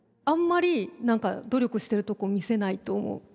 あんまり何か努力してるとこ見せないと思う。